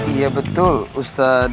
iya betul ustadz